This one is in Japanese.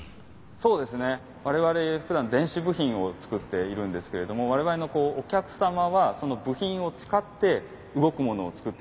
そうですね我々ふだん電子部品を作っているんですけれども我々のお客様はその部品を使って動くものを作っている。